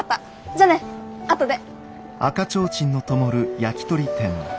じゃあねあとで。